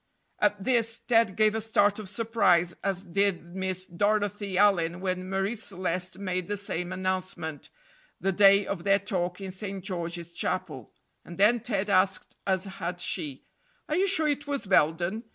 At this Ted gave a start of surprise, as did Miss Dorothy Allyn when Marie Celeste made the same announcement the day of their talk in St. George's Chapel. And then Ted asked, as had she: "Are you sure it was Belden?